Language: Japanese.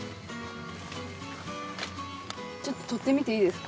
ちょっと取ってみていいですか？